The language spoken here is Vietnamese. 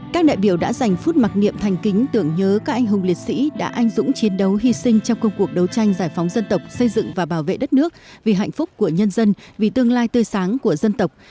các đại biểu đã dành phút mặc niệm thành kính tưởng nhớ các anh hùng liệt sĩ đã anh dũng chiến đấu hy sinh trong công cuộc đấu tranh giải phóng dân tộc xây dựng và bảo vệ đất nước vì hạnh phúc của nhân dân vì tương lai tươi sáng của dân tộc